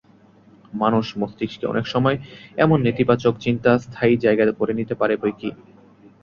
মানুষের মস্তিষ্কে অনেক সময় এমন নেতিবাচক চিন্তা স্থায়ী জায়গা করে নিতে পারে বৈকি।